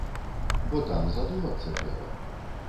Бо там задумацца трэба.